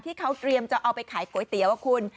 ที่เขาเตรียมจะเอาไปขายก๋วยเตี๋ยวคุณ